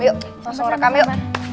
yuk langsung rekam yuk